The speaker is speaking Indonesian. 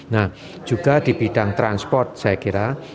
nah juga di bidang transport saya kira